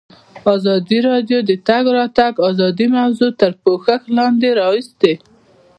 ازادي راډیو د د تګ راتګ ازادي موضوع تر پوښښ لاندې راوستې.